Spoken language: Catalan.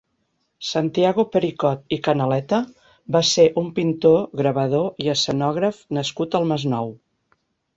Santiago Pericot i Canaleta va ser un pintor, gravador i escenògraf nascut al Masnou.